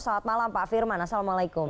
selamat malam pak firman assalamualaikum